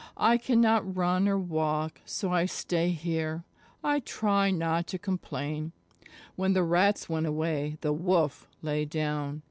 I can not run or walk, so I stay here. I try not to complain." When the Rats went away the Wolf lay down.